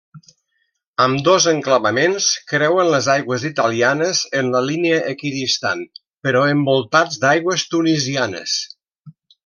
Ambdós enclavaments creuen les aigües italianes en la línia equidistant però envoltats d'aigües tunisianes.